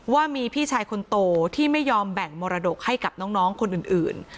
ว่ามีพี่ชายคนโตที่ไม่ยอมแบ่งมรดกให้กับน้องคนอื่น